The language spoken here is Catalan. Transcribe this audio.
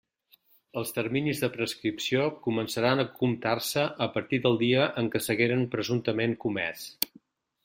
Els terminis de prescripció començaran a comptar-se a partir del dia en què s'hagueren presumptament comés.